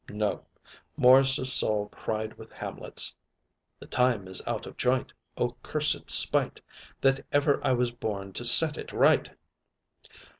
No. Morris's soul cried with Hamlet's: "The time is out of joint; O cursed spite, That ever I was born to set it right!"